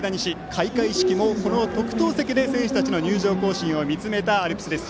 開会式も特等席で選手たちの入場行進を見つめたアルプスです。